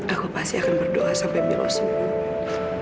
aku pasti akan berdoa sampai milo sembuh